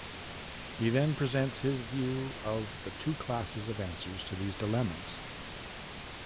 He then presents his view of the two classes of answers to these dilemmas.